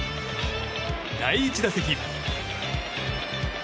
第１打席。